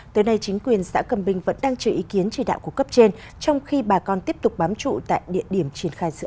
tới nay chính quyền xã cầm bình vẫn đang chờ ý kiến chỉ đạo của cấp trên trong khi bà con tiếp tục bám trụ tại địa điểm triển khai dự án